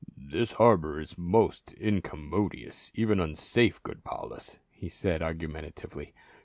"This harbor is most incommodious, even unsafe, good Paulus," he said argumentatively.